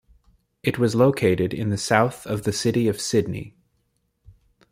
It was located in the south of the city of Sydney.